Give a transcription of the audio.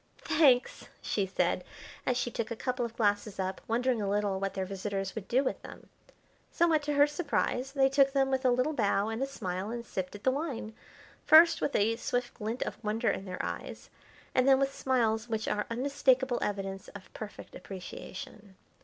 "Thanks!" she said, as she took a couple of glasses up, wondering a little what their visitors would do with them. Somewhat to her surprise, they took them with a little bow and a smile and sipped at the wine, first with a swift glint of wonder in their eyes, and then with smiles which are unmistakable evidence of perfect appreciation.